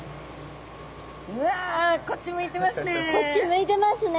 うわこっち向いてますね。